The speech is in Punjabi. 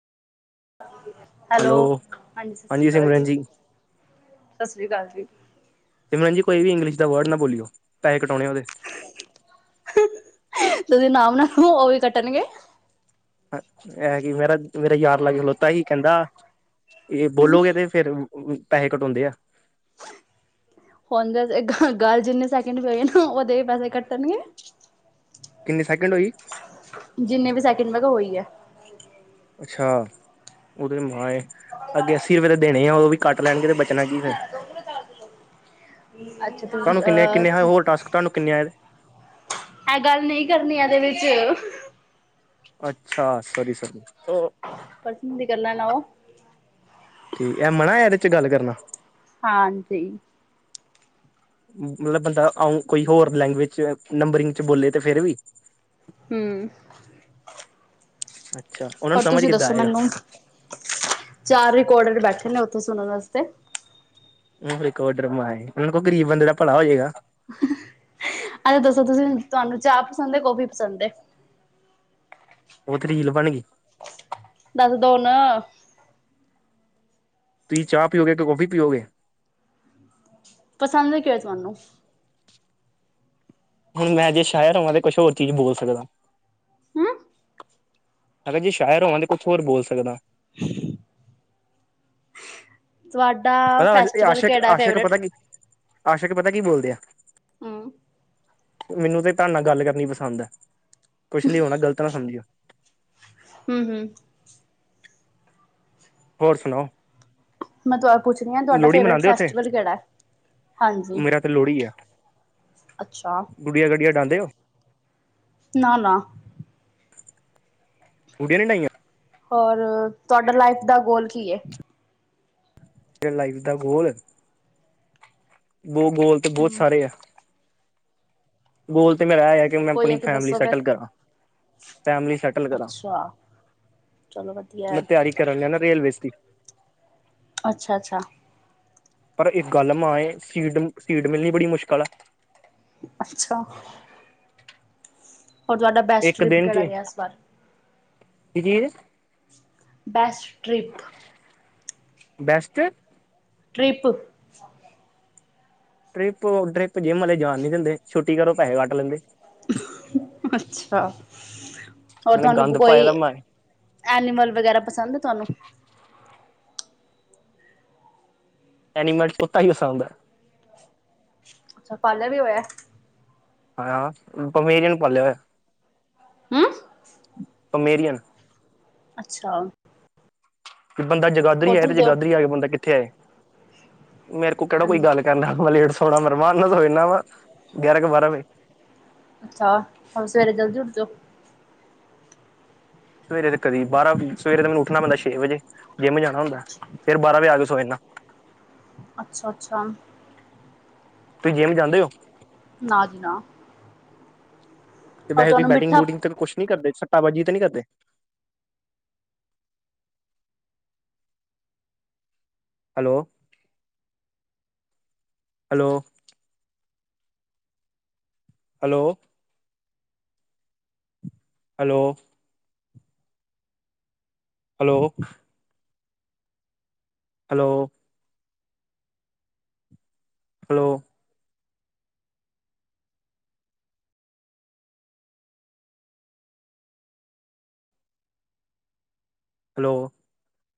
ਹੈਲੋ ਹਾਂਜੀ ਸਤਿ ਸ੍ਰੀ ਅਕਾਲ ਜੀ। ਸ ਸ੍ਰੀ ਕਾਲ ਜੀ। ਤੇ ਭੈਂਜੀ, ਕੋਈ ਵੀ ਇੰਗਲਿਸ਼ ਦਾ ਵੜ ਨਾ ਬੋਲੀਓ, ਪੈਹੇ ਕਟਾਓਣੇ ਓਦੇ। [unintelligible] ਅ ਐ ਕਿ ਫਰਾ, ਮੇਰਾ ਯਾਰ ਲਾਗੇ ਖਲੋਤਾ ਸੀ ਕੈਂਦਾ ਯੇ ਬੋਲੋਗੇ ਤੇ ਫੇਰ ਅ ਬ ਪੈਹੇ ਕਟ ਹੋਂਦੇ ਆ। [inaudible] ਹੋਨ ਬਸ ਏਦਾਂ ਗਾਲ ਜਿੰਨੇ ਸੈਕਿੰਡ ਹੋਏ ਨਾ, ਓਦੇ ਪੈਸੇ ਕੱਟਨਗੇ। ਕਿੰਨੀ ਸੈਕਿੰਡ ਹੋਈ? ਜਿੰਨੇ ਵੀ ਸੈਕਿੰਡ ਵਦੀਆ ਹੋਈ ਐ ਅੱਛਾ, ਓਦੇ ਮਾਂਏ ਅੱਗੇ, ਅੱਸੀ ਰਪੇ ਦੇ ਦੇਣੇ ਆ ਓਦੇ ਵੀ ਕਾੱਟ ਲੈਨਗੇ ਤੇ ਬਚਨਾ ਕੀ ਫੇਰ? ਅੱਛਾ ਤੁਸੀਂ ਤਾਨੂੰ ਕਿੰਨੇ, ਕਿੰਨੇ ਆ ਅਹ ਹੋਰ ਟਾਸਕ ਹ ਕਿੰਨੇ ਆਏਦੇ? ਏ ਗੱਲ ਨੀ ਕਰਨੀ ਏਦੇ ਵਿੱਚ। ਅੱਛਾ, ਸੋਰੀ, ਸੋਰੀ। ਪਰਸੋਂ ਦੀ ਗੱਲਾਂ ਨਾ ਓਹ [inaudible] ਠੀਕ ਐ, ਮੈ ਆਣਾ ਆ, ਏਦੇ 'ਚ ਗੱਲ ਕਰਨਾ। ਹਾਂਜੀ। ਮ ਮਤਲਬ ਬੰਦਾ ਆਂਊ ਕੋਈ ਹੋਰ ਲੈਂਗਵਜ 'ਚ ਨੰਬਰਿੰਗ 'ਚ ਬੋਲੇ ਤੇ ਫੇਰ ਵੀ? ਹੂੰ। ਅੱਛਾ ਉਹਨਾਂ ਨੂੰ ਹੋਰ ਸਮਝ ਤੁਸੀਂ ਕਿੱਦਾਂ ਦੱਸੋ ਆਏਗਾ? ਮੈਨੂੰ, ਚਾਰ ਰਿਕੋਡੜ ਬੈਠੇ ਨੇ ਓਥੇ ਸੁਨਨ ਵਾਸਤੇ। ਰਿਕੋਡਰ ਮੈਂਈ, ਓਨੂੰ ਕੋ ਗਰੀਬ ਬੰਦੇ ਦਾ ਭਲਾ਼ ਹੋ ਜੇਗਾ। ਐ ਦੱਸੋ ਤੁਸੀ, ਤੁਹਾਨੂੰ ਚਾਹ ਪਸੰਦ ਏ ਕੋਫ਼ੀ ਪਸੰਦ ਏ? ਓ ਤੇ ਰੀਲ਼ ਬਾਣ ਗੀ। ਦੱਸ ਦੋ ਨਾ? ਤੁਸੀ ਚਾਹ ਪੀਓਗੇ, ਤੇ ਕੌਫੀ ਪੀਓਗੇ। ਪਸੰਦ ਕੇਆ ਤੁਹਾਨੂੰ ਹੁਣ ਮੈਂ ਜੇ ਸੈ਼ਰ ਹੋਵਾ ਤੇ ਕੁਛ ਹੋਰ ਚੀਜ ਬੋਲ ਸਕਦਾ। ਹੂੰ। ਅਗਰ ਜੇ ਸ਼ਾਏਰ ਹੋਵਾਂ, ਤੇ ਕੁਛ ਹੋਰ ਬੋਲ ਸਕਦਾ। ਤੁਹਾਡਾ ਪਤਾ ਏ ਫੈਸਟੀਵਲ ਆਸ਼ਕ, ਕਿਹੜਾ ਹੈ ਆਸ਼ਾਕ ਫੇਵਰੇਟ? ਪਤਾ ਕੀ ਆਸ਼ਾਕ ਪਤਾ ਕੀ ਬੋਲਦੇ ਆ? ਹੂੰ। ਮਿਨੂੰ ਤੇ ਥਾਡ ਨਾਲ ਗਾੱਲ ਕਰਨੀ ਪਸੰਦ ਐ, ਕੁਛ ਵੀ ਹੋਨਾ ਗਲਤ ਨਾ ਸਮਜੀਓ। ਹੂੰ, ਹੂੰ। ਹੋਰ ਸੁਨਾਓ? ਮੈਂ ਤੁਆਨ ਪੁੱਛ ਰਈ ਆਂ, ਤੁਹਾਡਾ ਫੇਵਰੇਟ ਮਨਾਉਂਦੇ ਉੱਥੇ ਫੈਸਟੀਵਲ ਕੇੜੈ? ਹਾਂਜੀ। ਮੇਰਾ ਤੇ ਲੋੜੀ ਐ। ਅੱਛਾ। ਗੁੜੀਆਂ, ਗੜੀਆ ਡਾਂਦੇ ਓ? ਨਾ, ਨਾ। [inaudible] ਹੋਰ ਤੁਆਡਾ ਲਾਈਫ ਦਾ ਗੋਲ ਕੀ ਐ? ਲਾਈਫ ਦਾ ਗੋਲ? ਗੋਲ ਤਾਂ ਬਹੁਤ ਹੂੰ, ਸਾਰੇ ਆ। ਗੋਲ ਤੇ ਮੇਰਾ [inaudible] ਫੇਰ ਮੈਂ ਕੋਈ ਆਪਣੀ ਇੱਕ ਫੈਮਲੀ ਦੱਸੋ ਫਿਰ? ਸੈਟਲ ਕਰਾਂ, ਫੈਮਲੀ ਸੈਟਲ ਕਰਾਂ। ਅੱਛਾ, ਚਲੋ ਵਦੀਆ। ਮੈ ਤੇਆਰੀ ਕਰਨ ਨਾ ਨਾ ਰੇਲਵੇਸ ਦੀ। ਅੱਛਾ, ਅੱਛਾ। ਪਰ ਇੱਕ ਗੱਲ ਮਾ ਏ ਸੀਟ, ਸੀਟ ਮਿਲਨੀ ਬੜੀ ਮੁਸ਼ਕਲ ਆ। ਅੱਛਾ। ਹੋਰ ਤੂਆਡਾ ਬੈਸਟ ਇੱਕ ਟ੍ਰਿਪ ਦਿਨ ਚ ਕੇੜਾ ਰੇਐ ਇਸ ਵਾਰ? [inaudible] Best trip. [unintelligible] Trip. Trip trip gym ਵਾਲੇ ਜਾਣ ਨੀ ਦਿੰਦੇ, ਛੁੱਟੀ ਕਰੋ ਪੈਸੇ ਕੱਟ ਲੈਂਦੇ। ਅੱਛਾ ਹੋਰ ਨਾਲੇ ਤੁਹਾਨੂੰ ਗੰਦ ਪਾਏ ਕੋਈ। ਦਾ ਮੈਂ ਐਨੀਮਲ ਵਗੈਰਾ ਪਸੰਦ ਐ ਤੁਹਾਨੂੰ। ਐਨੀਮਲ ਤੋਤਾ ਹੀ ਪਸੰਦ। ਪਾਲਾ ਵੀ ਹੋਇਆ ਐ। ਹਾਂ ਪਮੇਰੀਅਨ ਪ ਹੋ [inaudible] ਹਮ। ਪਮੇਰੀਅਨ ਅੱਛਾ ਵੀ ਬੰਦਾ ਜਗਾਦਰੀ ਹੋਰ ਆਏ ਤੇ ਦਿੰਦੇ ਹੋ? ਜਗਾਦਰੀ ਆ ਕੇ ਬੰਦਾ ਕਿੱਥੇ ਆਏ ਼ਮੇਰੇ ਕੋਲ ਕਿਹੜਾ ਕੋਈ ਹਾਂਜੀ ਗੱਲ। ਕਰਨਾ ਲੇਟ ਸੋਣਾ ਮੇਰੇਮਾਨ ਨਾਲ ਸੋ ਇਨਾ ਵਾ ਗਿਆਰਾਂ ਕੁ ਬਾਰਾਂ ਵਜੇ। ਅੱਛਾ ਹਮ ਸਵੇਰੇ ਜਲਦੀ ਉੱਠ ਜਾਓ। ਸਵੇਰੇ ਤੇ ਕਦੀ ਬਾਰਾਂ ਸਵੇਰੇ ਤੇ ਮੈਨੂੰ ਉੱਠਣਾ ਪੈਂਦਾ ਛੇ ਵਜੇ ਜਿੰਮ ਜਾਣਾ ਹੁੰਦਾ ਅੱਛਾ ਫੇਰ ਬਾਰਾਂ ਵਜੇ ਆ ਕੇ ਸੋ ਜਾਣਾ ਅੱਛਾ ਅੱਛਾ ਤੁਸੀਂ ਜੇਮ ਜਾਂਦੇ ਹੋ ਨਾ ਜੀ ਨਾ ਤੇ ਹੋਰ ਵੈਸੇ ਤੁਸੀਂ ਤੁਹਾਨੂੰ ਬੈਟਿੰਗ ਮਿੱਠਾ ਬੂਟਿੰਗ ਤੇ ਕੁਛ ਨੀ ਕਰਦੇ ਸੱਟਾਬਾਜ਼ੀ ਤੇ ਨੀ ਕਰਦੇ hello hello hello. Hello hello. Hello. Hello. Hello.